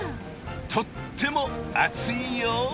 とっても熱いよ。